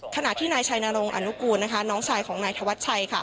ขณะที่นายชัยนรงอนุกูลน้องชายของนายธวัชชัย